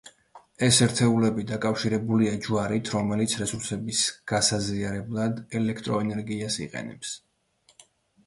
ეს ერთეულები დაკავშირებულია ჯვარით რომელიც რესურსების გასაზიარებლად, ელექტროენერგიას იყენებს.